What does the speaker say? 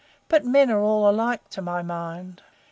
But men are all alike, to my mind."